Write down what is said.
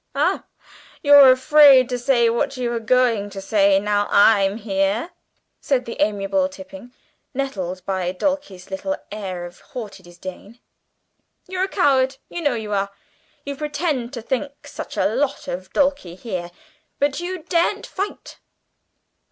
"Ah, you're afraid to say what you were going to say now I'm here," said the amiable Tipping, nettled by Dulcie's little air of haughty disdain. "You're a coward; you know you are. You pretend to think such a lot of Dulcie here, but you daren't fight!"